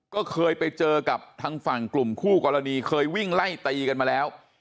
ก็เคยไปเจอกับทางฝั่งกลุ่มคู่กรณีเคยวิ่งไล่ตีกันมาแล้ว